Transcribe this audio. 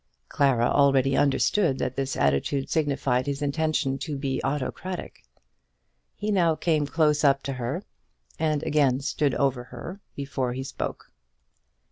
Clara already understood that this attitude signified his intention to be autocratic. He now came close up to her, and again stood over her, before he spoke.